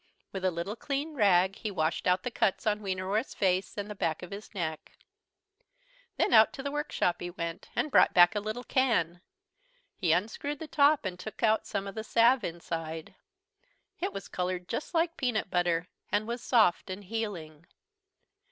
With a little clean rag he washed out the cuts on Wienerwurst's face and the back of his neck. Then out to the workshop he went and brought back a little can. He unscrewed the top and took out some of the salve inside. It was coloured just like peanut butter and was soft and healing.